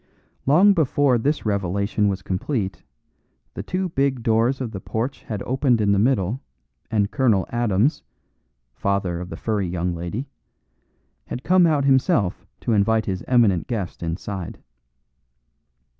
Long before this revelation was complete the two big doors of the porch had opened in the middle, and Colonel Adams (father of the furry young lady) had come out himself to invite his eminent guest inside.